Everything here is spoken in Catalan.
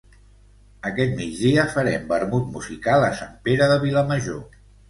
Aquest migdia farem vermut musical a Sant Pere de Vilamajor